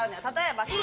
例えば。